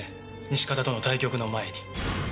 西片との対局の前に。